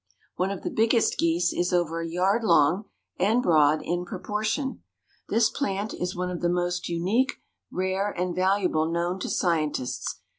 One of the biggest geese is over a yard long and broad in proportion. This plant is one of the most unique, rare and valuable known to scientists.